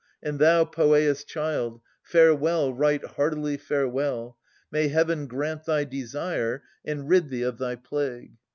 And thou, Poeas' child, Farewell, right heartily farewell ! May Heaven Grant thy desire, and rid thee of thy plague